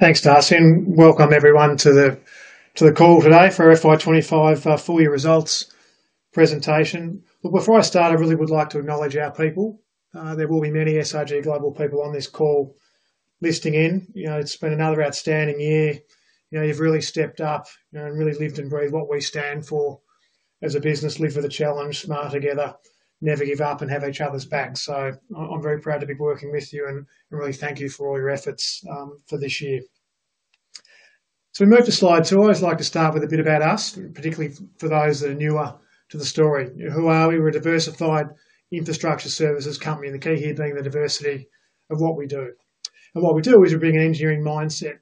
Thanks, Darcy. Welcome, everyone, to the call today for FY 2025 full-year results presentation. Before I start, I really would like to acknowledge our people. There will be many SRG Global people on this call listening in. It's been another outstanding year. You've really stepped up and really lived and breathed what we stand for as a business: live with a challenge, smile together, never give up, and have each other's back. I'm very proud to be working with you and really thank you for all your efforts for this year. To move to slide two, I always like to start with a bit about us, particularly for those that are newer to the story. Who are we? We're a diversified infrastructure services company, and the key here being the diversity of what we do. What we do is we bring an engineering mindset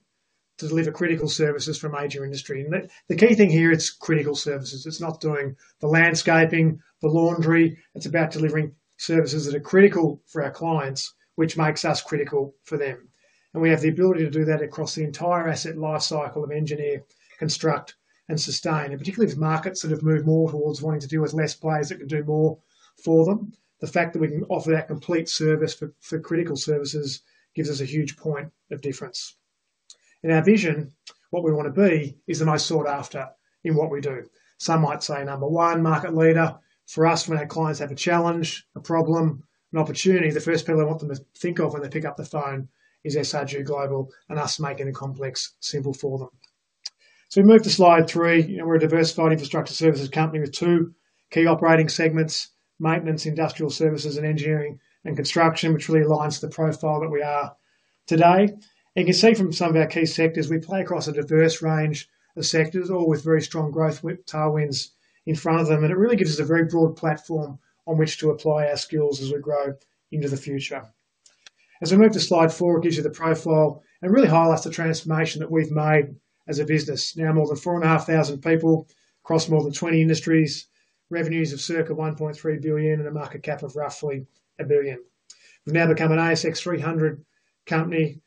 to deliver critical services for major industry. The key thing here, it's critical services. It's not doing the landscaping, the laundry. It's about delivering services that are critical for our clients, which makes us critical for them. We have the ability to do that across the entire asset lifecycle of engineer, construct, and sustain. Particularly with markets that have moved more towards wanting to deal with less players that could do more for them, the fact that we can offer that complete service for critical services gives us a huge point of difference. In our vision, what we want to be is the most sought after in what we do. Some might say number one market leader. For us, when our clients have a challenge, a problem, an opportunity, the first people they want them to think of when they pick up the phone is SRG Global and us making the complex simple for them. We move to slide three. We're a diversified infrastructure services company with two key operating segments: Maintenance & Industrial Services and Engineering & Construction, which really aligns to the profile that we are today. You can see from some of our key sectors, we play across a diverse range of sectors, all with very strong growth tailwinds in front of them. It really gives us a very broad platform on which to apply our skills as we grow into the future. As we move to slide four, it gives you the profile and really highlights the transformation that we've made as a business. Now, more than 4,500 people across more than 20 industries, revenues of circa $1.3 billion, and a market cap of roughly $1 billion. We've now become an ASX 300 company,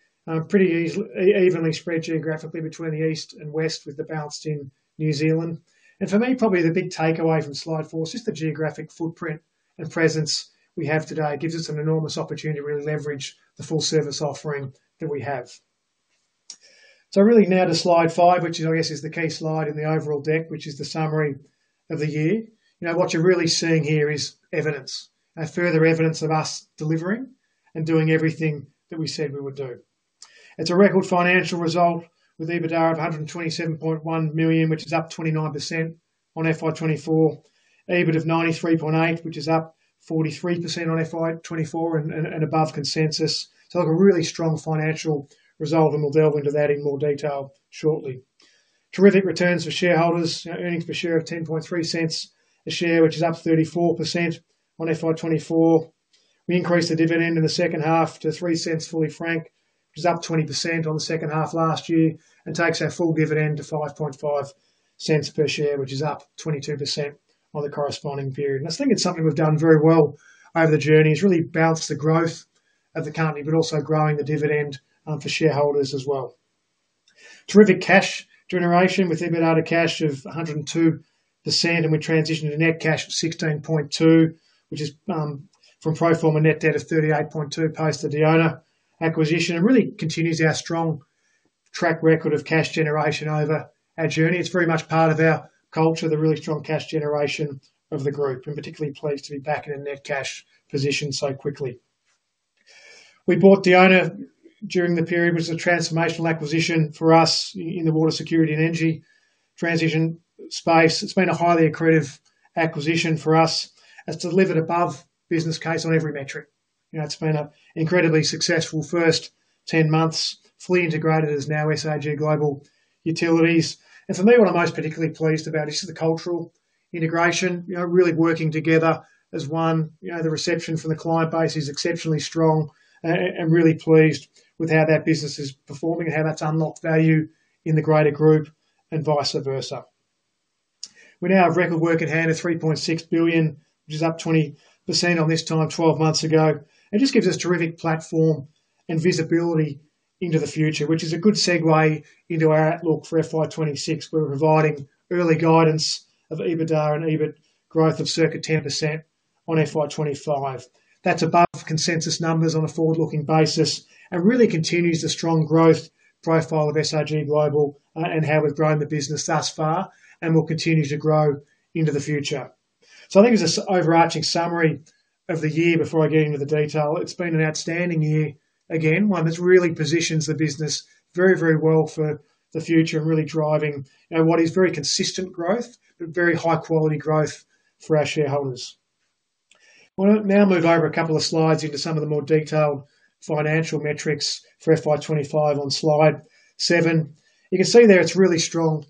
pretty evenly spread geographically between the East and West, with the balance team in New Zealand. For me, probably the big takeaway from slide four is just the geographic footprint and presence we have today gives us an enormous opportunity to really leverage the full service offering that we have. Really now to slide five, which is, I guess, the key slide in the overall deck, which is the summary of the year. You know, what you're really seeing here is evidence, further evidence of us delivering and doing everything that we said we would do. It's a record financial result with EBITDA of $127.1 million, which is up 29% on FY 2024, EBIT of $93.8 million, which is up 43% on FY 2024 and above consensus. We have a really strong financial result, and we'll delve into that in more detail shortly. Terrific returns for shareholders. Earnings per share of $0.103 a share, which is up 34% on FY 2024. We increased the dividend in the second half to $0.03 fully franked, which is up 20% on the second half last year, and takes our full dividend to $0.055 per share, which is up 22% over the corresponding period. I think it's something we've done very well over the journey is really balance the growth of the company, but also growing the dividend for shareholders as well. Terrific cash generation with EBITDA to cash of 102%, and we transitioned to net cash of $16.2 million, which is from pro forma net debt of $38.2 million post the Diona acquisition and really continues our strong track record of cash generation over our journey. It's very much part of our culture, the really strong cash generation of the group, and particularly pleased to be back in a net cash position so quickly. We bought Diona during the period, which was a transformational acquisition for us in the water security and energy transition space. It's been a highly accretive acquisition for us. It's delivered above business case on every metric. It's been an incredibly successful first 10 months, fully integrated as now SRG Global Utilities. For me, what I'm most particularly pleased about is the cultural integration, really working together as one. The reception from the client base is exceptionally strong. I'm really pleased with how that business is performing and how that's unlocked value in the greater group and vice versa. We now have record work-in-hand at $3.6 billion, which is up 20% on this time 12 months ago. It just gives us a terrific platform and visibility into the future, which is a good segue into our outlook for FY 2026, where we're providing early guidance of EBITDA and EBITDA growth of circa 10% on FY 2025. That's above consensus numbers on a forward-looking basis and really continues the strong growth profile of SRG Global and how we've grown the business thus far and will continue to grow into the future. I think it's an overarching summary of the year before I get into the detail. It's been an outstanding year, again, one that really positions the business very, very well for the future and really driving what is very consistent growth, but very high-quality growth for our shareholders. I want to now move over a couple of slides into some of the more detailed financial metrics for FY 2025 on slide seven. You can see there it's really strong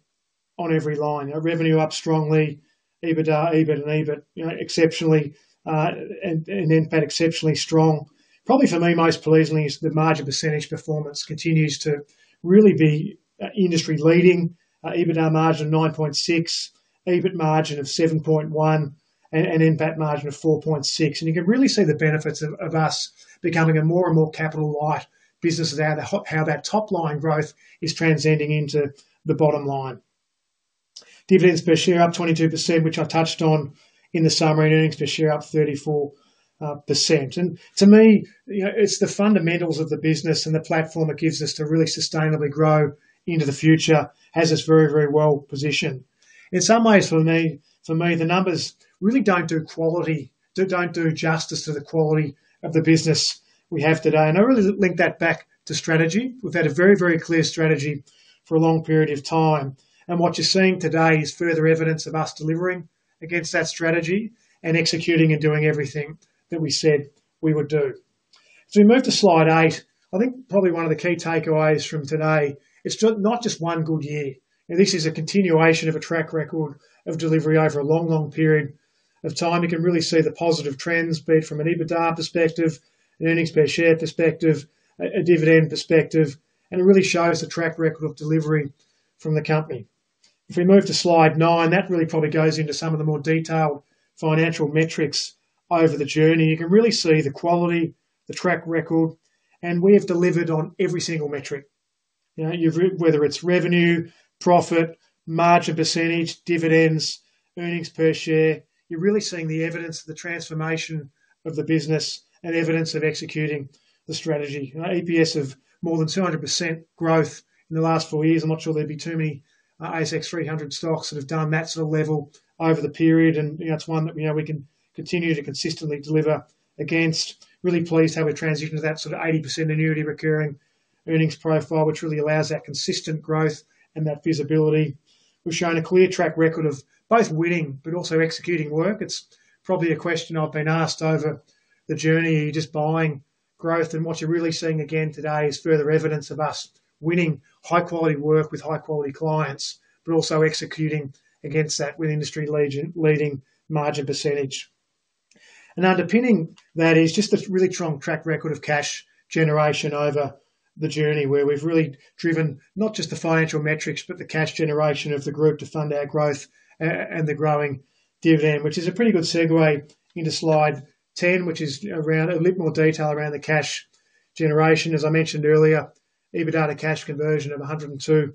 on every line. Revenue up strongly, EBITDA, EBIT, and EBIT exceptionally and NPAT exceptionally strong. Probably for me, most pleasingly is the margin percentage performance continues to really be industry leading. EBITDA margin of 9.6%, EBIT margin of 7.1%, and NPAT margin of 4.6%. You can really see the benefits of us becoming a more and more capital-wide business and how that top line growth is transcending into the bottom line. Dividends per share up 22%, which I touched on in the summary, and earnings per share up 34%. To me, it's the fundamentals of the business and the platform that gives us to really sustainably grow into the future, has us very, very well positioned. In some ways, for me, the numbers really don't do justice to the quality of the business we have today. I really link that back to strategy. We've had a very, very clear strategy for a long period of time. What you're seeing today is further evidence of us delivering against that strategy and executing and doing everything that we said we would do. We moved to slide eight. I think probably one of the key takeaways from today is not just one good year. This is a continuation of a track record of delivery over a long, long period of time. You can really see the positive trends, be it from an EBITDA perspective, an earnings per share perspective, a dividend perspective, and it really shows the track record of delivery from the company. If we move to slide nine, that really probably goes into some of the more detailed financial metrics over the journey. You can really see the quality, the track record, and we have delivered on every single metric. You know, whether it's revenue, profit, margin percentage, dividends, earnings per share, you're really seeing the evidence of the transformation of the business and evidence of executing the strategy. Our EPS is more than 200% growth in the last four years. I'm not sure there'd be too many ASX 300 stocks that have done that sort of level over the period. It's one that we can continue to consistently deliver against. Really pleased how we transitioned to that sort of 80% annuity recurring earnings profile, which really allows that consistent growth and that visibility. We've shown a clear track record of both winning but also executing work. It's probably a question I've been asked over the journey, just buying growth. What you're really seeing again today is further evidence of us winning high-quality work with high-quality clients, but also executing against that with industry leading margin percentage. Underpinning that is just a really strong track record of cash generation over the journey where we've really driven not just the financial metrics but the cash generation of the group to fund our growth and the growing dividend, which is a pretty good segue into slide 10, which is around a little bit more detail around the cash generation. As I mentioned earlier, EBITDA to cash conversion of 102%.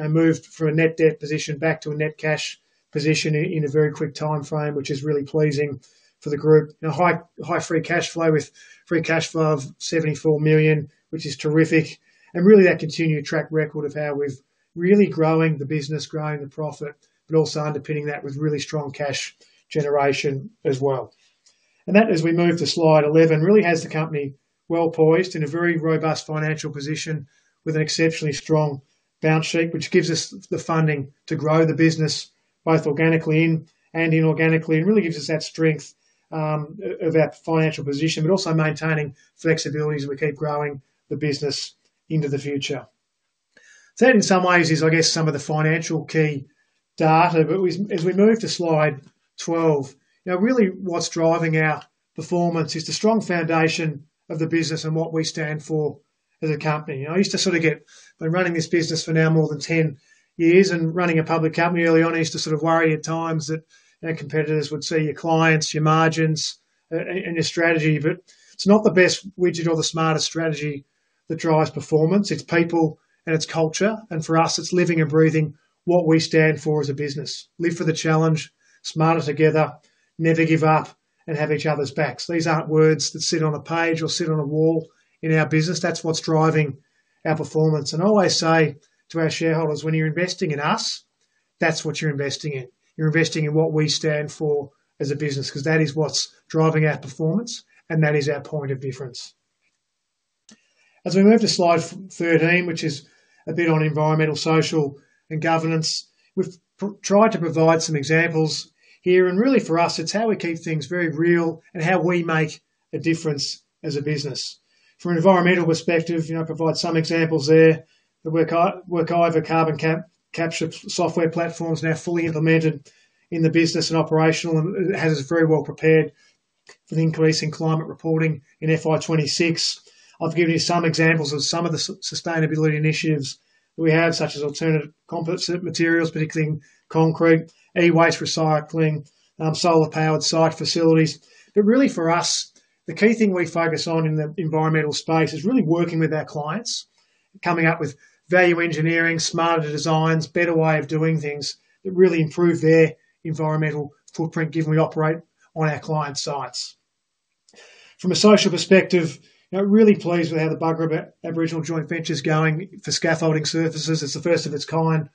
I moved from a net debt position back to a net cash position in a very quick timeframe, which is really pleasing for the group. A high free cash flow with free cash flow of $74 million, which is terrific. Really that continued track record of how we're really growing the business, growing the profit, but also underpinning that with really strong cash generation as well. As we move to slide 11, it really has the company well poised in a very robust financial position with an exceptionally strong balance sheet, which gives us the funding to grow the business both organically and inorganically. It really gives us that strength of our financial position, but also maintaining flexibility as we keep growing the business into the future. That in some ways is, I guess, some of the financial key data. As we move to slide 12, now really what's driving our performance is the strong foundation of the business and what we stand for as a company. I used to sort of get, I've been running this business for now more than 10 years and running a public company early on, I used to sort of worry at times that our competitors would see your clients, your margins, and your strategy. It's not the best widget or the smartest strategy that drives performance. It's people and it's culture. For us, it's living and breathing what we stand for as a business. Live for the challenge, smile together, never give up, and have each other's backs. These aren't words that sit on a page or sit on a wall in our business. That's what's driving our performance. I always say to our shareholders, when you're investing in us, that's what you're investing in. You're investing in what we stand for as a business because that is what's driving our performance and that is our point of difference. As we move to slide 13, which is a bit on environmental, social, and governance, we've tried to provide some examples. Here really for us, it's how we keep things very real and how we make a difference as a business. From an environmental perspective, I provide some examples there. The work over carbon capture software platforms now fully implemented in the business and operational and has us very well prepared for the increase in climate reporting in FY 2026. I've given you some examples of some of the sustainability initiatives we have, such as alternative composite materials, particularly in concrete, e-waste recycling, our solar-powered site facilities. Really for us, the key thing we focus on in the environmental space is really working with our clients, coming up with value engineering, smarter designs, better way of doing things that really improve their environmental footprint, given we operate on our clients' sites. From a social perspective, I'm really pleased with how the Bugarrba Aboriginal Joint Venture is going for scaffolding services. It's the first of its kind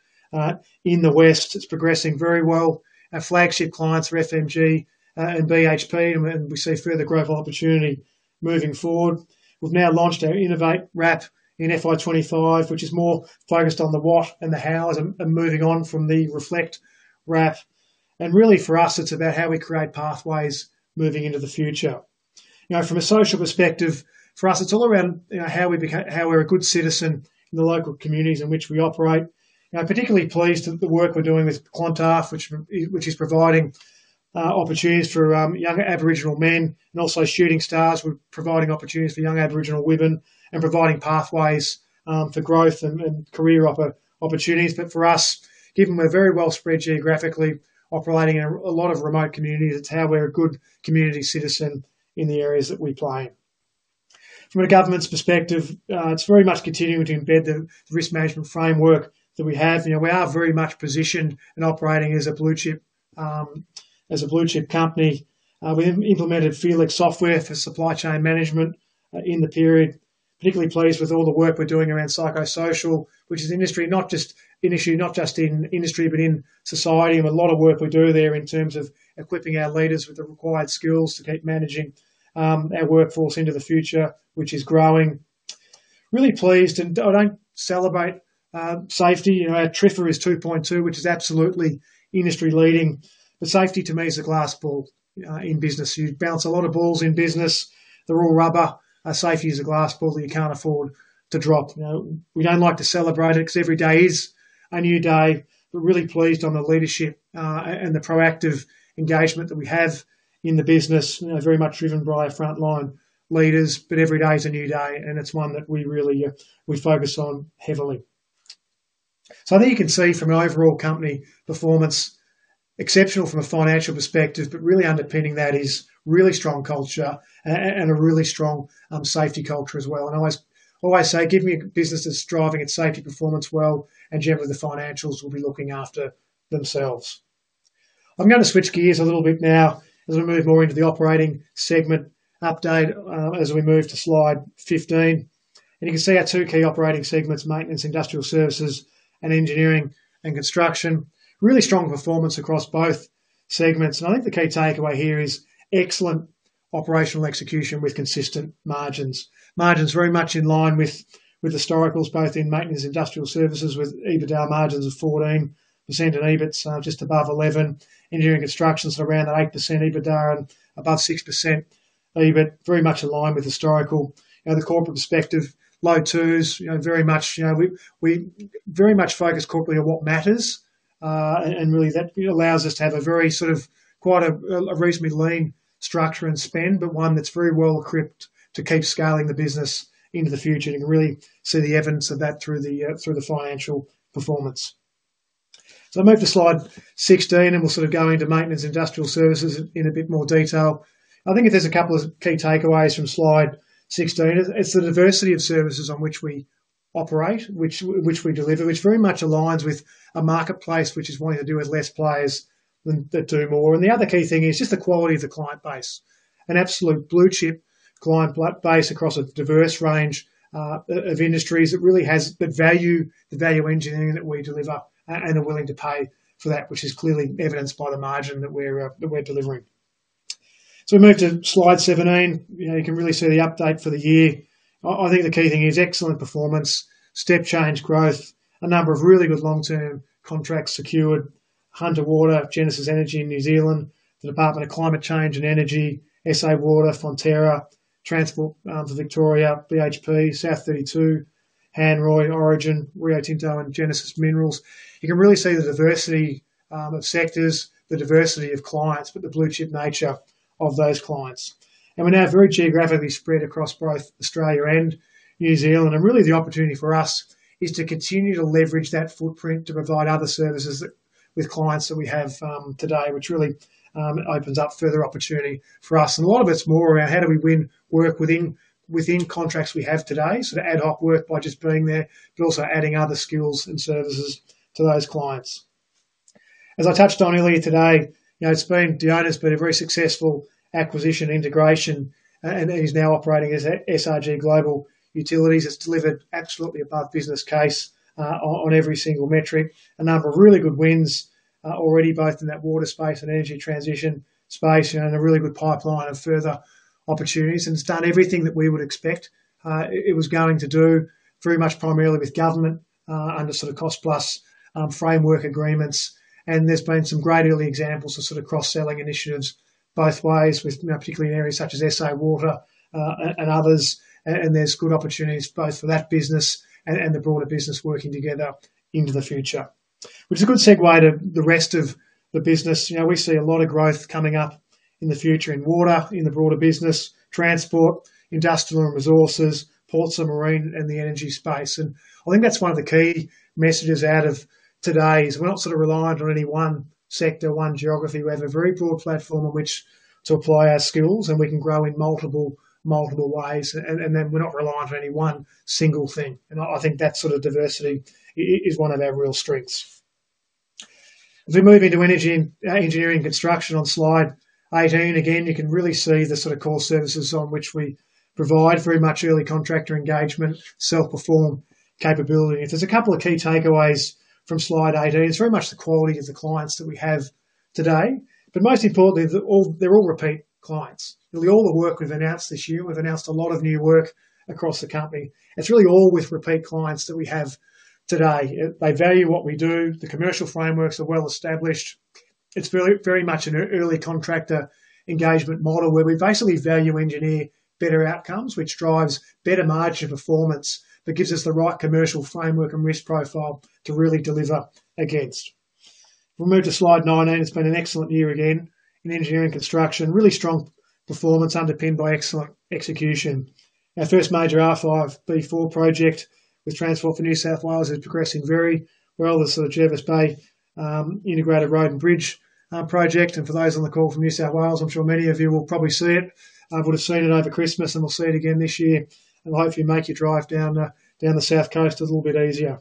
in the West. It's progressing very well. Our flagship clients are FMG and BHP, and we see further growth opportunity moving forward. We've now launched our Innovate Wrap in FY 2025, which is more focused on the what and the how and moving on from the Reflect Wrap. Really for us, it's about how we create pathways moving into the future. Now, from a social perspective, for us, it's all around how we become, how we're a good citizen in the local communities in which we operate. I'm particularly pleased with the work we're doing with Qantar, which is providing opportunities for young Aboriginal men and also Shooting Stars, we're providing opportunities for young Aboriginal women and providing pathways for growth and career opportunities for us, given we're very well spread geographically, operating in a lot of remote communities, it's how we're a good community citizen in the areas that we play in. From a governance perspective, it's very much continuing to embed the risk management framework that we have. We are very much positioned and operating as a blue chip company. We have implemented Felix software for supply chain management in the period. I'm particularly pleased with all the work we're doing around psychosocial, which is not just in industry, but in society. A lot of work we do there is in terms of equipping our leaders with the required skills to keep managing our workforce into the future, which is growing. I'm really pleased. I don't celebrate safety. Our TRIFRA is 2.2, which is absolutely industry leading. Safety to me is a glass bowl in business. You bounce a lot of balls in business. They're all rubber. Safety is a glass bowl that you can't afford to drop. We don't like to celebrate it because every day is a new day. We're really pleased on the leadership and the proactive engagement that we have in the business, very much driven by our frontline leaders. Every day is a new day, and it's one that we really focus on heavily. I think you can see from an overall company performance, exceptional from a financial perspective, but really underpinning that is really strong culture and a really strong safety culture as well. I always say, give me a business that's driving its safety performance well, and generally the financials will be looking after themselves. I'm going to switch gears a little bit now as we move more into the operating segment update as we move to slide 15. You can see our two key operating segments: Maintenance & Industrial Services and Engineering & Construction. Really strong performance across both segments. I think the key takeaway here is excellent operational execution with consistent margins. Margins are very much in line with historicals, both in Maintenance & Industrial Services, with EBITDA margins of 14% and EBIT just above 11%. Engineering & Construction is around 8% EBITDA and above 6% EBIT, very much in line with historical. From the corporate perspective, low twos, we very much focus corporately on what matters. That allows us to have a very reasonably lean structure and spend, but one that's very well equipped to keep scaling the business into the future. You can really see the evidence of that through the financial performance. I move to slide 16, and we'll go into Maintenance & Industrial Services in a bit more detail. If there's a couple of key takeaways from slide 16, it's the diversity of services on which we operate, which we deliver, which very much aligns with a marketplace that is wanting to deal with fewer players that do more. The other key thing is just the quality of the client base. An absolute blue chip client base across a diverse range of industries that really has the value engineering that we deliver and are willing to pay for that, which is clearly evidenced by the margin that we're delivering. We move to slide 17. You can really see the update for the year. The key thing is excellent performance, step change growth, a number of really good long-term contracts secured: Hunter Water, Genesis Energy in New Zealand, the Department of Climate Change and Energy, SA Water, Fonterra, Transport for Victoria, BHP, South 32, HanRoy and Origin, Rio Tinto, and Genesis Minerals. You can really see the diversity of sectors, the diversity of clients, with the blue chip nature of those clients. We're now very geographically spread across both Australia and New Zealand. The opportunity for us is to continue to leverage that footprint to provide other services with clients that we have today, which really opens up further opportunity for us. A lot of it's more around how do we win work within contracts we have today, sort of ad hoc work by just being there, but also adding other skills and services to those clients. As I touched on earlier today, Diona's been a very successful acquisition integration and is now operating as SRG Global Utilities. It's delivered absolutely above business case on every single metric and has really good wins already, both in that water space and energy transition space and a really good pipeline of further opportunities. It's done everything that we would expect it was going to do, very much primarily with government under cost-plus framework agreements. There have been some great early examples of cross-selling initiatives both ways, particularly in areas such as SA Water and others. There are good opportunities both for that business and the broader business working together into the future, which is a good segue to the rest of the business. We see a lot of growth coming up in the future in water, in the broader business, transport, industrial and resources, ports and marine, and the energy space. I think that's one of the key messages out of today: we're not so reliant on any one sector or one geography. We have a very broad platform on which to apply our skills, and we can grow in multiple, multiple ways. We're not reliant on any one single thing. I think that sort of diversity is one of our real strengths. If we move into energy and Engineering & Construction on slide 18, you can really see the core services we provide, very much early contractor engagement, self-perform capability. If there's a couple of key takeaways from slide 18, it's very much the quality of the clients that we have today. Most importantly, they're all repeat clients. Really, all the work we've announced this year, and we've announced a lot of new work across the company, is really all with repeat clients that we have today. They value what we do. The commercial frameworks are well established. It's very much an early contractor engagement model where we basically value engineer better outcomes, which drives better margin performance but gives us the right commercial framework and risk profile to really deliver against. We'll move to slide nine. It's been an excellent year again in Engineering & Construction, really strong performance underpinned by excellent execution. Our first major R5B4 project with Transport for New South Wales is progressing very well, as is the Jervis Bay Integrated Road and Bridge project. For those on the call from New South Wales, I'm sure many of you will probably see it. You would have seen it over Christmas and will see it again this year and hopefully make your drive down the South Coast a little bit easier.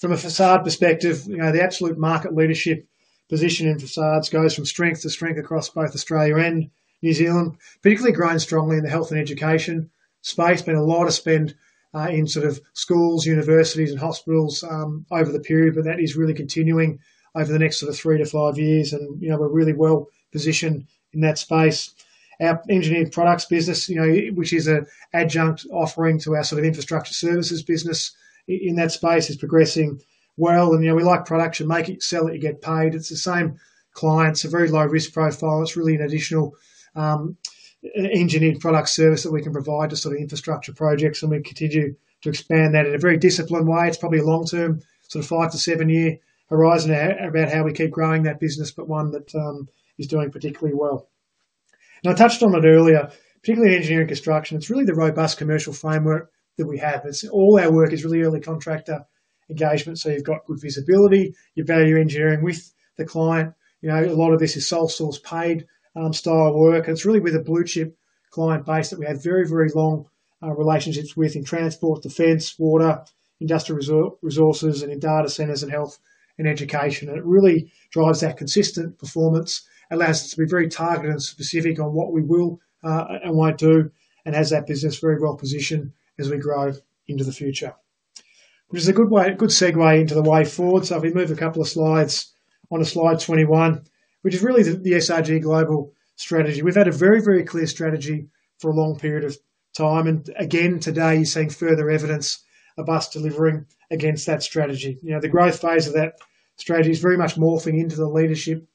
From a facade perspective, the absolute market leadership position in facades goes from strength to strength across both Australia and New Zealand, particularly growing strongly in the health and education space. There has been a lot of spend in schools, universities, and hospitals over the period, but that is really continuing over the next three to five years. We are really well positioned in that space. Our engineered products business, which is an adjunct offering to our infrastructure services business in that space, is progressing well. We like production. Make it, sell it, you get paid. It is the same clients. It is a very low risk profile. It is really an additional engineered product service that we can provide to infrastructure projects. We continue to expand that in a very disciplined way. It is probably a long-term five to seven-year horizon about how we keep growing that business, but one that is doing particularly well. I touched on it earlier, particularly in Engineering & Construction. It is really the robust commercial framework that we have. All our work is really early contractor engagement. You have good visibility. You value engineering with the client. A lot of this is sole source paid style work. It is really with a blue chip client base that we have very, very long relationships with in transport, defense, water, industrial resources, and in data centers and health and education. It really drives that consistent performance. It allows us to be very targeted and specific on what we will and will not do and has that business very well positioned as we grow into the future. This is a good way, a good segue into the way forward. If we move a couple of slides onto slide 21, which is really the SRG Global strategy, we have had a very, very clear strategy for a long period of time. Today you are seeing further evidence of us delivering against that strategy. The growth phase of that strategy is very much morphing into the leadership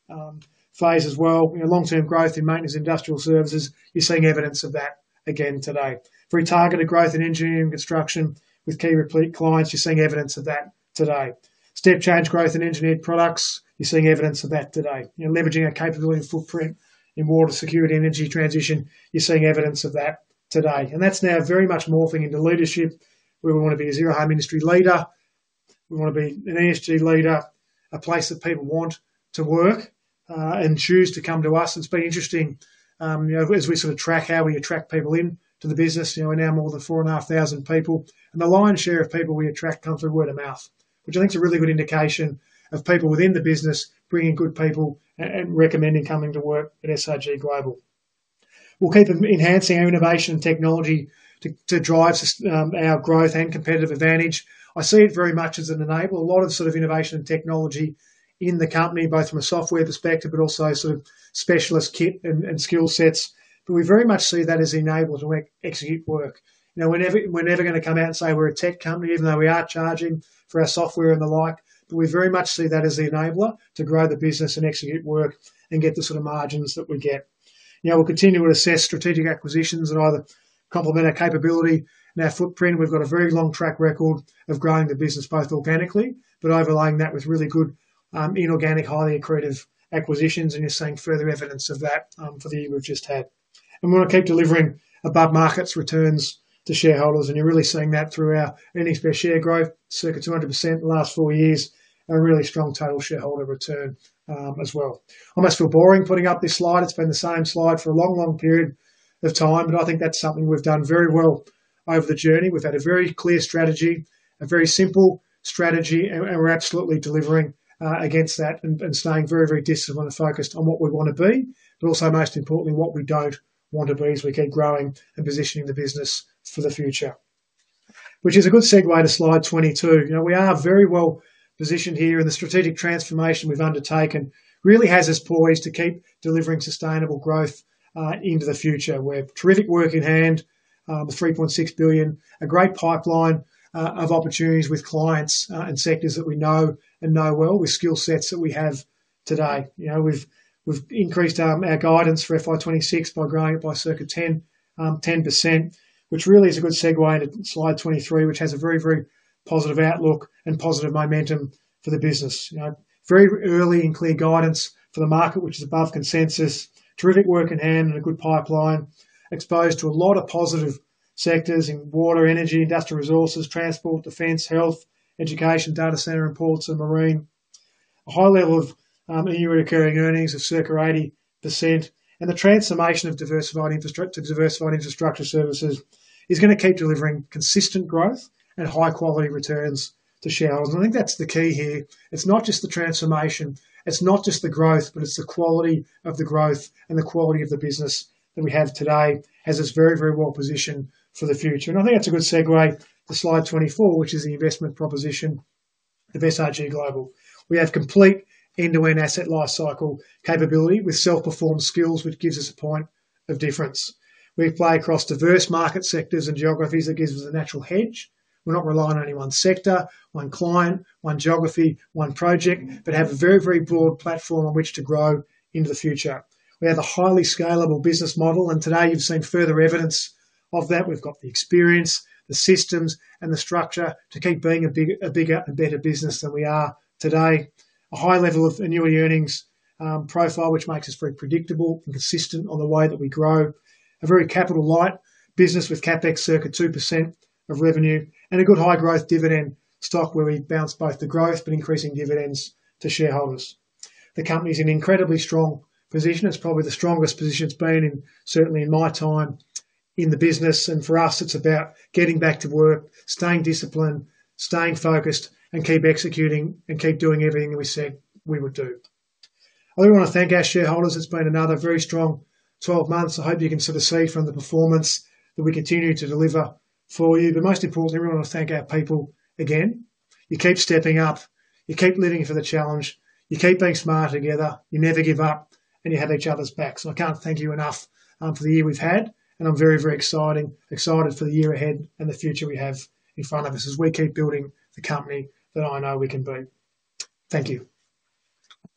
phase as well. Long-term growth in Maintenance & Industrial Services, you are seeing evidence of that again today. Very targeted growth in Engineering & Construction with key replete clients. You are seeing evidence of that today. Step change growth in engineered products, you are seeing evidence of that today. Leveraging our capability and footprint in water security energy transition, you are seeing evidence of that today. That is now very much morphing into leadership where we want to be a zero harm industry leader. We want to be an industry leader, a place that people want to work and choose to come to us. It's been interesting as we sort of track how we attract people into the business. We're now more than 4,500 people, and the lion's share of people we attract comes through word of mouth, which I think is a really good indication of people within the business bringing good people and recommending coming to work at SRG Global. We'll keep enhancing our innovation and technology to drive our growth and competitive advantage. I see it very much as an enabler. A lot of sort of innovation and technology in the company, both from a software perspective but also sort of specialist kit and skill sets. We very much see that as enabled to execute work. We're never going to come out and say we're a tech company, even though we are charging for our software and the like. We very much see that as the enabler to grow the business and execute work and get the sort of margins that we get. We'll continue to assess strategic acquisitions and either complement our capability and our footprint. We've got a very long track record of growing the business both organically, but overlaying that with really good inorganic, highly accretive acquisitions. You're seeing further evidence of that for the year we've just had. We're going to keep delivering above market returns to shareholders. You're really seeing that through our earnings per share growth, circa 200% in the last four years, a really strong total shareholder return as well. I almost feel boring putting up this slide. It's been the same slide for a long, long period of time, but I think that's something we've done very well over the journey. We've had a very clear strategy, a very simple strategy, and we're absolutely delivering against that and staying very, very disciplined and focused on what we want to be, but also most importantly, what we don't want to be as we keep growing and positioning the business for the future, which is a good segue to slide 22. We are very well positioned here, and the strategic transformation we've undertaken really has us poised to keep delivering sustainable growth into the future. We have terrific work-in-hand, $3.6 billion, a great pipeline of opportunities with clients and sectors that we know and know well with skill sets that we have today. We've increased our guidance for FY 2026 by growing it by circa 10%, which really is a good segue to slide 23, which has a very, very positive outlook and positive momentum for the business. Very early and clear guidance for the market, which is above consensus. Terrific work-in-hand and a good pipeline exposed to a lot of positive sectors in water, energy, industrial resources, transport, defense, health, education, data center, and ports and marine. A high level of annual recurring earnings of circa 80%. The transformation of diversified infrastructure to diversified infrastructure services is going to keep delivering consistent growth and high-quality returns to shareholders. I think that's the key here. It's not just the transformation, it's not just the growth, but it's the quality of the growth and the quality of the business that we have today has us very, very well positioned for the future. I think that's a good segue to slide 24, which is the investment proposition of SRG Global. We have complete end-to-end asset lifecycle capability with self-performed skills, which gives us a point of difference. We play across diverse market sectors and geographies that gives us a natural hedge. We're not relying on any one sector, one client, one geography, one project, but have a very, very broad platform on which to grow into the future. We have a highly scalable business model, and today you've seen further evidence of that. We've got the experience, the systems, and the structure to keep being a bigger and better business than we are today. A high level of annual earnings profile, which makes us very predictable and consistent on the way that we grow. A very capital light business with CapEx circa 2% of revenue and a good high growth dividend stock where we balance both the growth but increasing dividends to shareholders. The company's in an incredibly strong position. It's probably the strongest position it's been in, certainly in my time in the business. For us, it's about getting back to work, staying disciplined, staying focused, and keep executing and keep doing everything that we said we would do. I really want to thank our shareholders. It's been another very strong 12 months. I hope you can sort of see from the performance that we continue to deliver for you. Most importantly, I really want to thank our people again. You keep stepping up, you keep living for the challenge, you keep being smarter together, you never give up, and you have each other's backs. I can't thank you enough for the year we've had. I'm very, very excited for the year ahead and the future we have in front of us as we keep building the company that I know we can be. Thank you.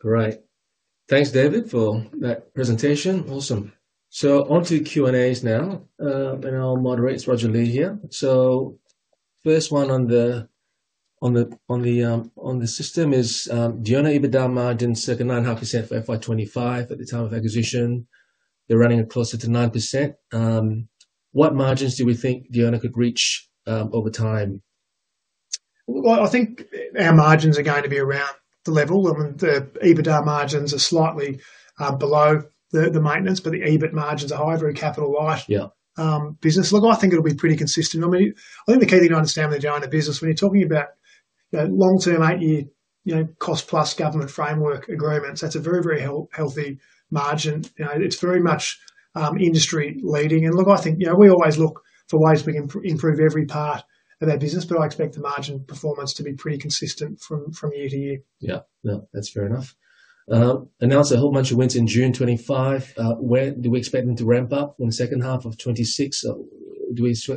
All right. Thanks, David, for that presentation. Awesome. On to Q&As now, and I'll moderate. It's Roger Lee here. First one on the system is Diona EBITDA margin circa 9.5% for FY 2025 at the time of acquisition. You're running at closer to 9%. What margins do we think Diona could reach over time? I think our margins are going to be around the level. I mean, the EBITDA margins are slightly below the maintenance, but the EBIT margins are high, very capital light. Look, I think it'll be pretty consistent. I mean, I think the key thing to understand when you're doing the business, when you're talking about long-term eight-year cost-plus government framework agreements, that's a very, very healthy margin. It's very much industry leading. I think we always look for ways we can improve every part of our business, but I expect the margin performance to be pretty consistent from year to year. That's fair enough. Now it's a whole of wins in June 2025. Where do we expect them to ramp up in the second half of 2026?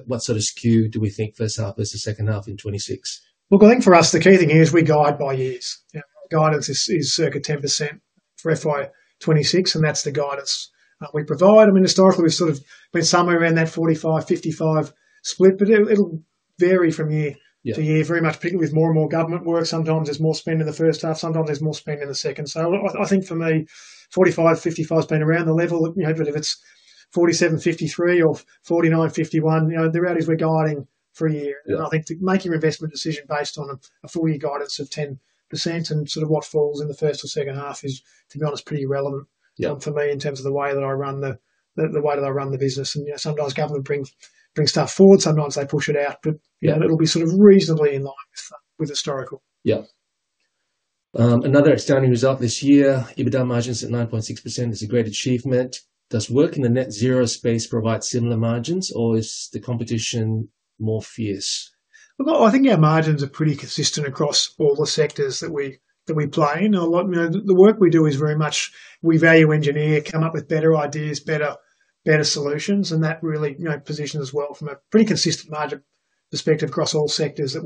What sort of skew do we think first half versus second half in 2026? I think for us, the key thing is we guide by years. Guidance is circa 10% for FY 2026, and that's the guidance we provide. Historically, we've sort of been somewhere around that 45%-55% split, but it'll vary from year to year, very much picking with more and more government work. Sometimes there's more spend in the first half, sometimes there's more spend in the second. I think for me, 45%-55% has been around the level. If it's 47%-53% or 49%-51%, the route is we're guiding for a year. I think making an investment decision based on a four-year guidance of 10% and sort of what falls in the first or second half is, to be honest, pretty irrelevant for me in terms of the way that I run the business. Sometimes government brings stuff forward, sometimes they push it out, but it'll be sort of reasonably in line with historical. Another astounding result this year, EBITDA margins at 9.6% is a great achievement. Does work in the net zero space provide similar margins or is the competition more fierce? I think our margins are pretty consistent across all the sectors that we play in. A lot of the work we do is very much, we value engineers, come up with better ideas, better solutions, and that really positions us well from a pretty consistent margin perspective across all sectors that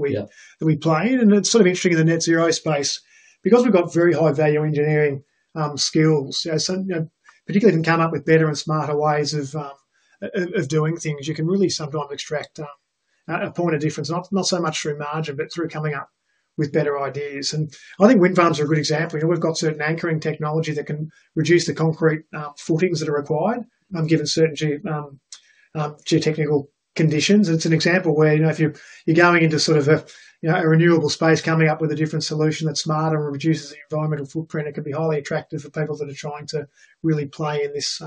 we play in. It's sort of interesting in the net zero space because we've got very high value engineering skills. Particularly if you can come up with better and smarter ways of doing things, you can really sometimes extract a point of difference, not so much through margin, but through coming up with better ideas. I think wind farms are a good example. We've got certain anchoring technology that can reduce the concrete footings that are required, given certain geotechnical conditions. It's an example where if you're going into sort of a renewable space, coming up with a different solution that's smarter or reduces environmental footprint, it could be highly attractive for people that are trying to really play in this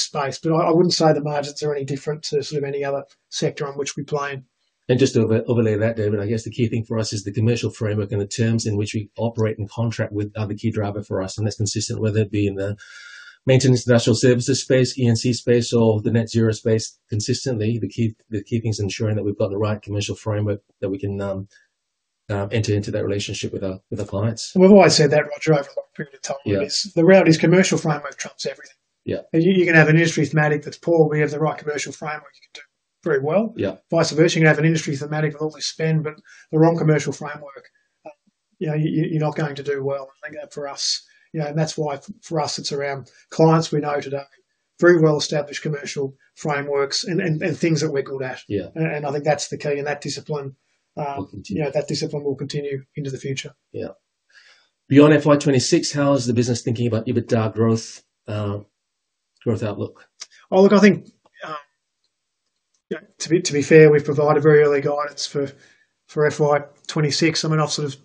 space. I wouldn't say the margins are any different to sort of any other sector in which we play in. Just to overlay that, David, I guess the key thing for us is the commercial framework and the terms in which we operate and contract with are the key driver for us. That's consistent, whether it be in the Maintenance & Industrial Services space, E&C space, or the net zero space. Consistently, the key thing is ensuring that we've got the right commercial framework that we can enter into that relationship with our clients. We've always said that, Roger, over a long period of time. The reality is, commercial framework trumps everything. You can have an industry thematic that's poor. We have the right commercial framework to do very well. Vice versa, you can have an industry thematic with all this spend, but the wrong commercial framework, you're not going to do well. I think that for us, it's around clients we know today, very well established commercial frameworks and things that we're good at. I think that's the key in that discipline. That discipline will continue into the future. Yeah. Beyond FY 2026, how is the business thinking about EBITDA growth outlook? Oh, look, I think to be fair, we've provided very early guidance for FY2026. I mean, I've sort of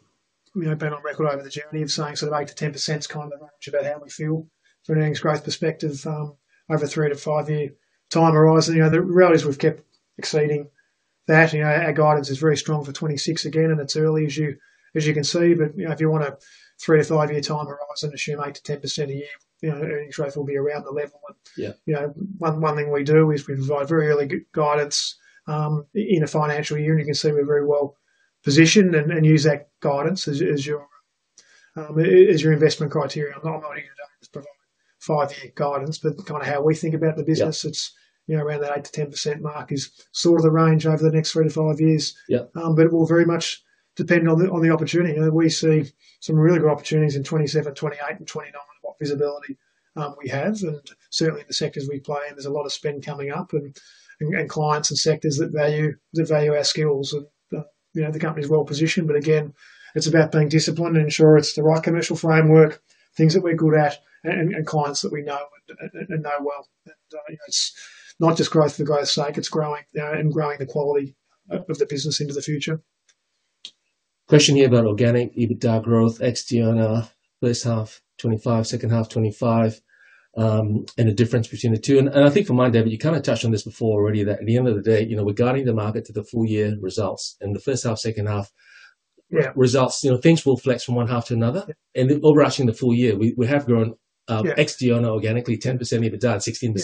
been on record over the journey of saying sort of 8%-10% kind of about how we feel from an earnings growth perspective over a three to five-year time horizon. The reality is we've kept exceeding that. Our guidance is very strong for 2026 again, and it's early as you can see. If you want a three to five-year time horizon, if you make 10% a year, earnings growth will be around the level. One thing we do is we provide very early guidance in a financial year, and you can see we're very well positioned and use that guidance as your investment criteria. I'm not here to provide five-year guidance, but kind of how we think about the business. It's around the 8%-10% mark, is sort of the range over the next three to five years. It will very much depend on the opportunity. We see some really good opportunities in 2027, 2028, and 2029 of what visibility we have. Certainly, the sectors we play in, there's a lot of spend coming up and clients and sectors that value our skills. The company is well positioned, but again, it's about being disciplined and ensuring it's the right commercial framework, things that we're good at, and clients that we know and know well. It's not just growth for growth's sake. It's growing and growing the quality of the business into the future. Question here about organic EBITDA growth. Ex-Diona first half 2025, second half 2025, and the difference between the two. I think for mine, David, you kind of touched on this before already that at the end of the day, we're guiding the market to the full year results. The first half, second half results, you know, things will flex from one half to another. Overarching the full year, we have grown ex-Diona organically 10% EBITDA, 16%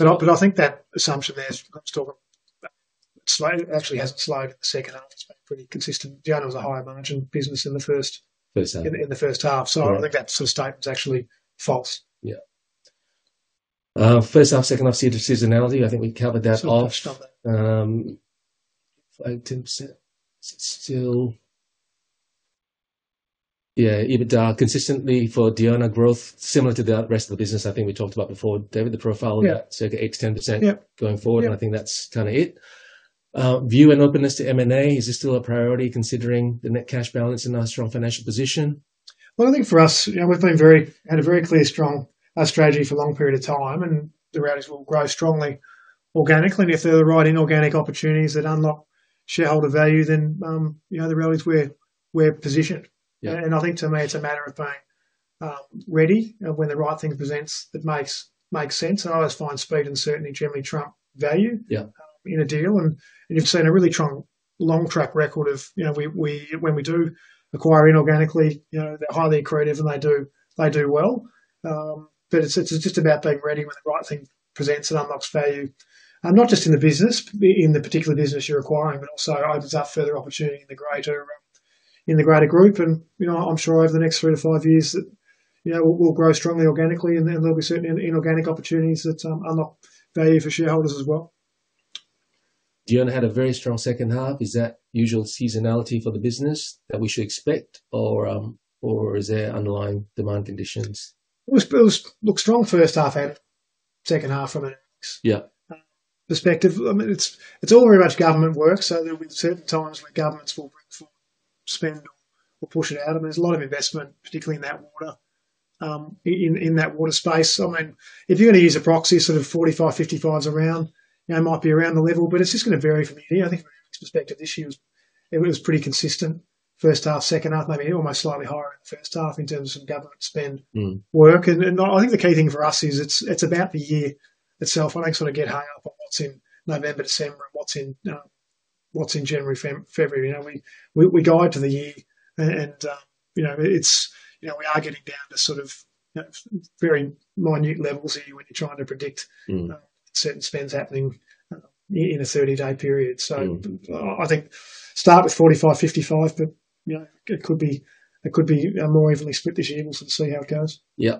EBIT. I think that assumption there is slide, actually hasn't slide, second half pretty consistent. Diona was a higher margin business in the first half. I think that sort of statement's actually false. First half, second half, see the seasonality. I think we covered that off. It's still, yeah, EBITDA consistently for Diona growth, similar to the rest of the business. I think we talked about before, David, the profile of that circa 8%-10% going forward. I think that's kind of it. View and openness to M&A, is this still a priority considering the net cash balance and our strong financial position? I think for us, you know, we're playing very, had a very clear strong strategy for a long period of time, and the reality is we'll grow strongly organically. If there are the right inorganic opportunities that unlock shareholder value, then you know the reality is we're positioned. I think to me, it's a matter of being ready when the right thing presents that makes sense. I always find speed and certainty generally trump value in a deal. You've seen a really strong long track record of, you know, when we do acquire inorganically, they're highly accretive and they do well, but it's just about being ready when the right thing presents an unlocked value, not just in the business, but in the particular business you're acquiring, but also opens up further opportunity in the greater group. I'm sure over the next three to five years, you know, we'll grow strongly organically, and there will be certain inorganic opportunities that unlock value for shareholders as well. Diona had a very strong second half. Is that usual seasonality for the business that we should expect, or is there underlying demand conditions? It looks strong first half and second half from an earnings perspective. It's all very much government work, so there will be certain times governments will spend or push it out. There's a lot of investment, particularly in that water space. If you're going to use a proxy, sort of 45%-55% around, it might be around the level, but it's just going to vary from year. I think the perspective this year, it was pretty consistent first half, second half, maybe almost slightly higher in the first half in terms of government spend work. I think the key thing for us is it's about the year itself. I don't sort of get high up on what's in November, December, and what's in January, February. We guide to the year, and we are getting down to sort of very minute levels here when you're trying to predict certain spends happening in a 30-day period. I think start with 45%-55%, but it could be more evenly split this year and we'll sort of see how it goes. Yeah.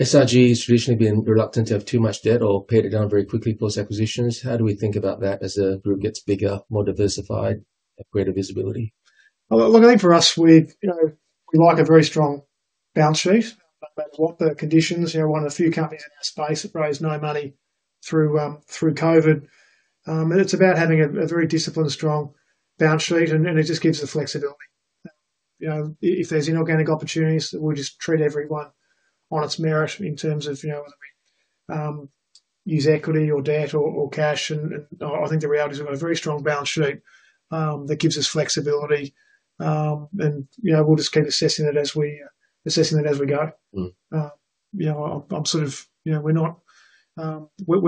SRG has traditionally been reluctant to have too much debt or pay the ground very quickly post acquisitions. How do we think about that as the group gets bigger, more diversified, greater visibility? Look, I think for us, we like a very strong balance sheet. One of the few companies in that space that raised no money through COVID. It's about having a very disciplined, strong balance sheet, and it just gives us flexibility. If there's inorganic opportunities, we'll just treat every one on its merit in terms of use equity or debt or cash. I think the reality is we've got a very strong balance sheet that gives us flexibility, and we'll just keep assessing it as we go. We're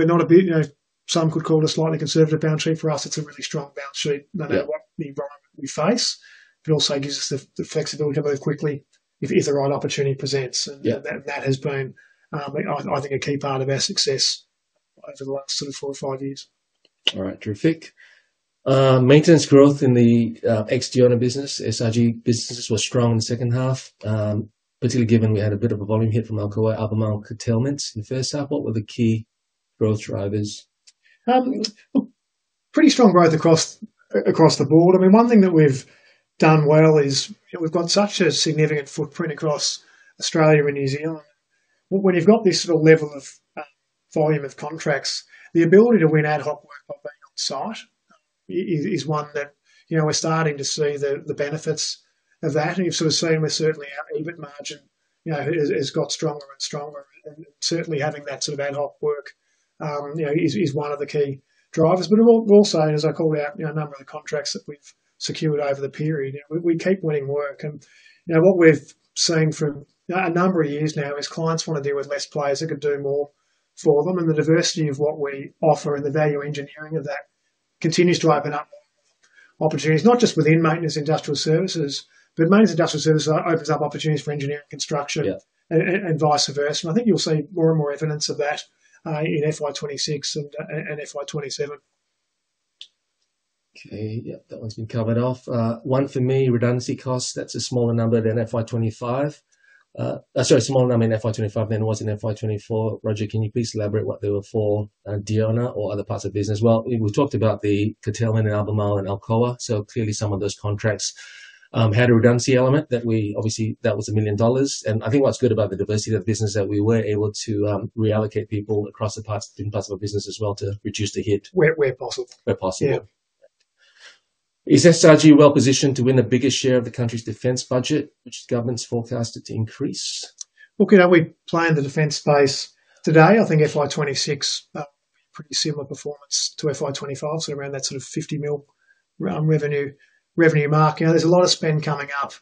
not a bit, some could call it a slightly conservative balance sheet. For us, it's a really strong balance sheet no matter what the environment we face, but also gives us the flexibility to move quickly if the right opportunity presents. That has been, I think, a key part of our success over the last three, four or five years. All right, terrific. Maintenance growth in the ex-Diona business, SRG businesses was strong in the second half, particularly given we had a bit of a volume hit from Alcoa, upper market tailwinds in the first half. What were the key growth drivers? Pretty strong growth across the board. I mean, one thing that we've done well is we've got such a significant footprint across Australia and New Zealand. When you've got this sort of level of volume of contracts, the ability to win ad hoc work on the back of site is one that we're starting to see the benefits of. You’ve seen with certainly our EBIT margin has got stronger and stronger. Certainly, having that sort of ad hoc work is one of the key drivers. Also, as I call out a number of the contracts that we've secured over the period, we keep winning work. What we're seeing from a number of years now is clients want to deal with less players that could do more for them. The diversity of what we offer and the value engineering of that continues to open up opportunities, not just within Maintenance & Industrial Services, but Maintenance & Industrial Services opens up opportunities for Engineering & Construction and vice versa. I think you'll see more and more evidence of that in FY 2026 and FY 2027. Okay, yeah, that one's been covered off. One for me, redundancy costs, that's a smaller number than FY 2025. Sorry, a smaller number in FY 2025 than it was in FY 2024. Roger, can you please elaborate what they were for Diona or other parts of the business? We talked about the curtailment in Albemarle and Alcoa. Clearly, some of those contracts had a redundancy element that was obviously $1 million. I think what's good about the diversity of the business is that we were able to reallocate people across the parts of the business as well to reduce the hit. Where possible. Where possible. Yeah. Is SRG well positioned to win a bigger share of the country's defense budget, which is government's forecasted to increase? We plan the defense space today. I think FY 2026 is a pretty similar performance to FY 2025, so around that sort of $50 million revenue mark. There's a lot of spend coming up.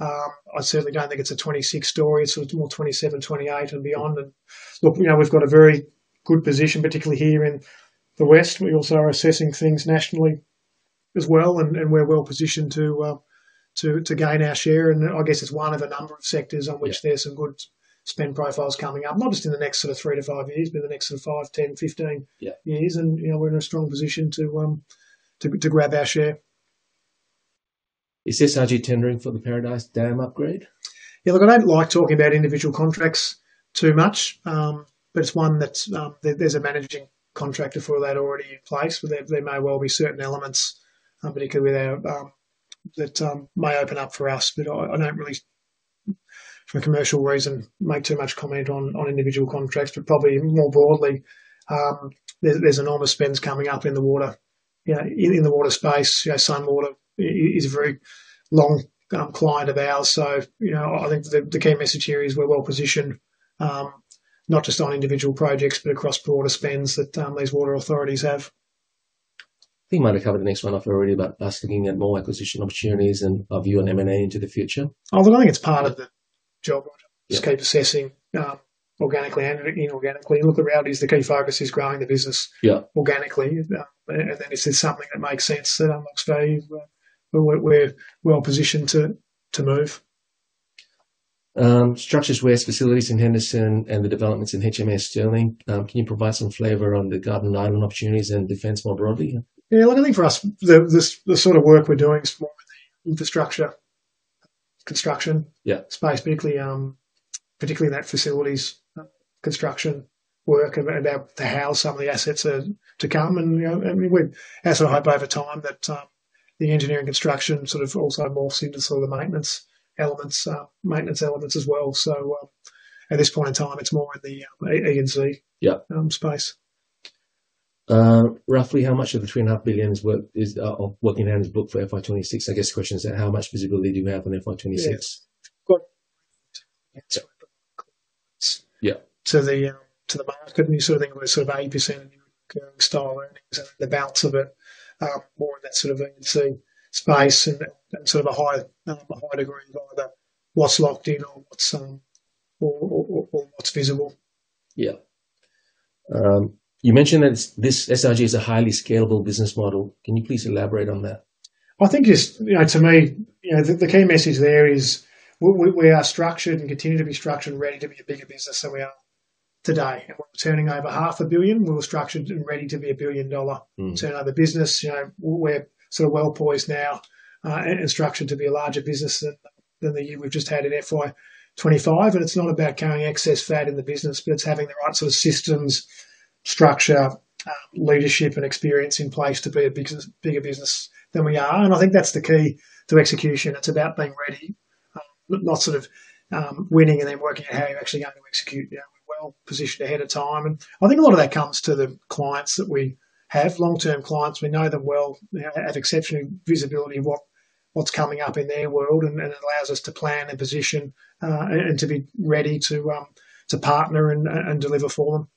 I certainly don't think it's a 2026 story, it's more 2027, 2028 and beyond. Look, we've got a very good position, particularly here in the West. We also are assessing things nationally as well, and we're well positioned to gain our share. I guess it's one of the number of sectors on which there's some good spend profiles coming up, not just in the next sort of three to five years, but in the next sort of five, 10, 15 years. We're in a strong position to grab our share. Is SRG Global tendering for the Paradise Dam upgrade? Yeah, look, I don't like talking about individual contracts too much, but it's one that there's a managing contractor for that already in place. There may well be certain elements, particularly with our that may open up for us. I don't really, for a commercial reason, make too much comment on individual contracts. Probably more broadly, there's enormous spends coming up in the water, you know, in the water space. Sunwater is a very long client of ours. I think the key message here is we're well positioned, not just on individual projects, but across broader spends that these water authorities have. I think you might have covered the next one off already, but us looking at more acquisition opportunities and a view on M&A into the future. I think it's part of the job. We just keep assessing organically and inorganically. Look, the reality is the key focus is growing the business organically. If there is something that makes sense that I'm exposed to, we're well positioned to move. Structures West, facilities in Henderson, and the developments in HMS Stirling. Can you provide some flavor on the Garden Island opportunities and defense more broadly? Yeah, look, I think for us, the sort of work we're doing is more infrastructure, construction space, particularly in that facilities construction work to house some of the assets to come. We've had some hope over time that the Engineering & Construction sort of also morphs into the maintenance elements as well. At this point in time, it's more in the Engineering & Construction space. Roughly how much of the $3.5 billion is work-in-hand booked for FY 2026? I guess the question is how much visibility do we have on FY 2026? To the market, we sort of think we're sort of 80% style earnings and the balance of it more in that sort of Engineering & Construction space and sort of a higher degree of either what's locked in or what's visible. Yeah, you mentioned that SRG is a highly scalable business model. Can you please elaborate on that? I think, to me, the key message there is we are structured and continue to be structured and ready to be a bigger business than we are today. Turning over $500 million, we're structured and ready to be a $1 billion turnover business. We're sort of well poised now and structured to be a larger business than the year we've just had in FY 2025. It's not about carrying excess fat in the business, but it's having the right sort of systems, structure, leadership, and experience in place to be a bigger business than we are. I think that's the key to execution. It's about being ready, not sort of winning and then working out how you're actually going to execute. We're well positioned ahead of time. I think a lot of that comes to the clients that we have, long-term clients. We know them well, have exceptional visibility of what's coming up in their world, and it allows us to plan and position and to be ready to partner and deliver for them.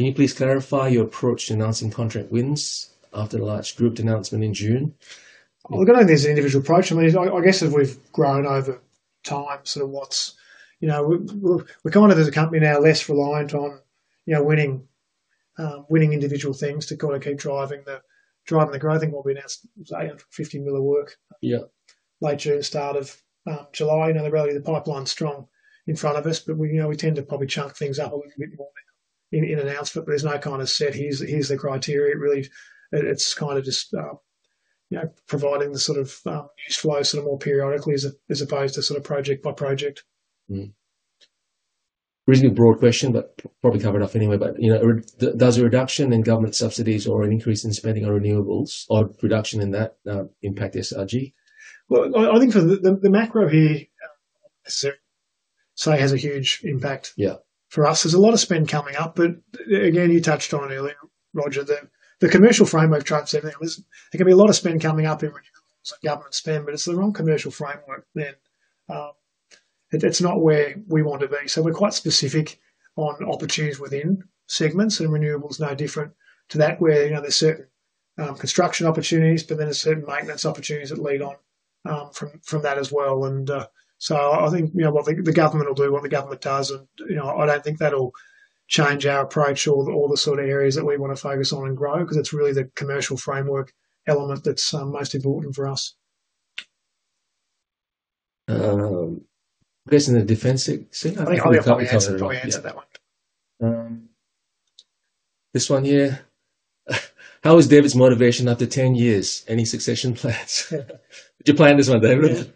Can you please clarify your approach to announcing contract wins after the large grouped announcement in June? I don't think there's an individual approach. I guess as we've grown over time, sort of what's, you know, we're kind of as a company now less reliant on, you know, winning individual things to kind of keep driving the growth. I think we'll be announcing $50 million of work late June, start of July. The reality is the pipeline's strong in front of us, but we tend to probably chunk things up a little bit more in an announcement. There's no kind of set, here's the criteria. It really, it's kind of just providing the sort of flow sort of more periodically as opposed to sort of project by project. Reasonably broad question, but probably covered up anyway, but you know, does a reduction in government subsidies or an increase in spending on renewables or a reduction in that impact SRG? I think for the macro here, say, has a huge impact. Yeah. For us, there's a lot of spend coming up, but again, you touched on earlier, Roger, that the commercial framework, trying to say there can be a lot of spend coming up in government spend, but if it's the wrong commercial framework, then it's not where we want to be. We are quite specific on opportunities within segments, and renewables are no different to that, where you know there's certain construction opportunities, but then there's certain maintenance opportunities that lead on from that as well. I think the government will do what the government does, and I don't think that'll change our approach or the sort of areas that we want to focus on and grow, because it's really the commercial framework element that's most important for us. Based on the defense thing. I think I'll be telling the wrong answer to that one. This one here. How is David's motivation after 10 years? Any succession plans? Did you plan this one, David?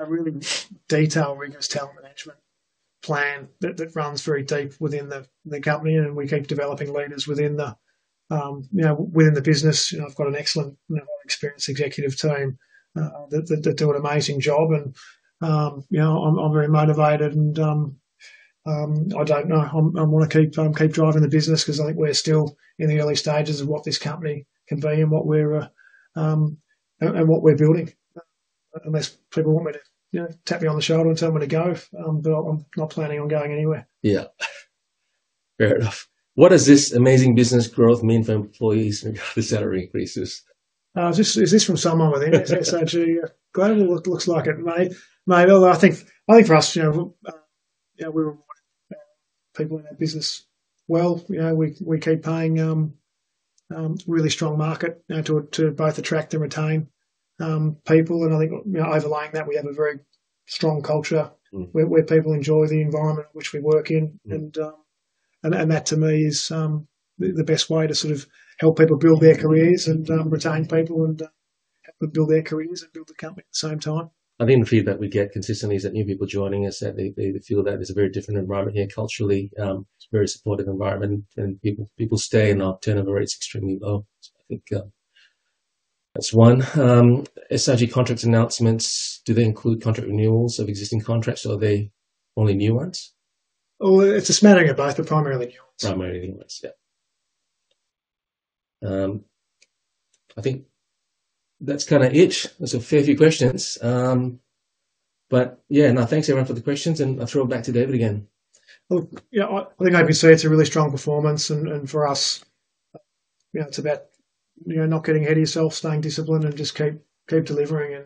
A really detailed, rigorous talent management plan runs very deep within the company, and we keep developing leaders within the business. I've got an excellent, experienced executive team that do an amazing job, and you know I'm very motivated. I want to keep driving the business because I think we're still in the early stages of what this company can be and what we're building. Unless people want to tap me on the shoulder and tell me to go, I'm not planning on going anywhere. Yeah. Fair enough. What does this amazing business growth mean for employees regarding the salary increases? Is this from somewhere within SRG Global? Looks like it may. I think for us, you know, we know people in that business well. We keep paying really strong market to both attract and retain people, and I think overlaying that, we have a very strong culture where people enjoy the environment which we work in. That to me is the best way to sort of help people build their careers and retain people and build their careers and build the company at the same time. I think the feedback we get consistently is that new people joining us feel that there's a very different environment here culturally, a very supportive environment, and people stay and our turnover rate is extremely low. I think that's one. SRG contract announcements, do they include contract renewals of existing contracts or are they only new ones? Oh, it's a smattering of both, but primarily. Primarily new ones, yeah. I think that's kind of it. That's a fair few questions. Thanks everyone for the questions, and I'll throw it back to David again. I think I can say it's a really strong performance, and for us, it's about not getting ahead of yourself, staying disciplined, and just keep delivering.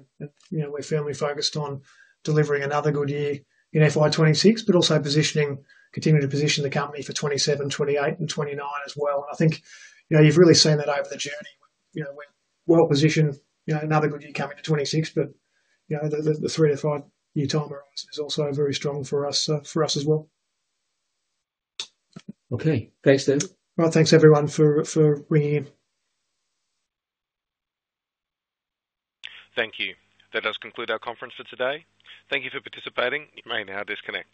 We're firmly focused on delivering another good year in FY 2026, but also continuing to position the company for 2027, 2028, and 2029 as well. I think you've really seen that over the journey. We're well positioned, another good year coming for 2026, but the three to five-year timer is also very strong for us as well. Okay, thanks David. All right, thanks everyone for ringing in. Thank you. That does conclude our conference for today. Thank you for participating. You may now disconnect.